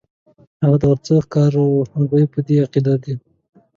هغه د غرڅو ښکاري وو، هغوی په دې عقیده دي.